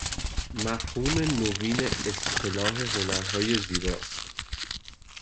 مفهوم نوین اصطلاح هنرهای زیباست